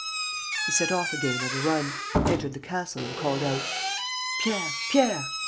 ..." He set off again at a run, entered the castle and called out: "Pierre! Pierre!